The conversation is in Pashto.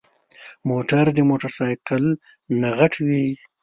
موټر د موټرسايکل نه غټ وي.